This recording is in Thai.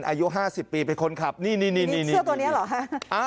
อายุ๕๐ปีเป็นคนขับนี่เสื้อตัวนี้เหรอฮะ